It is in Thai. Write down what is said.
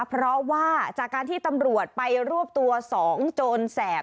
เพราะว่าจากการที่ตำรวจไปรวบตัว๒โจรแสบ